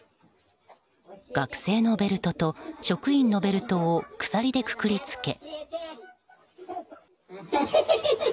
学生のベルトと職員のベルトを鎖でくくり付け。